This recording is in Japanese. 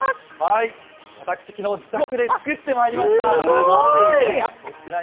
私、昨日、自宅で作ってまいりました。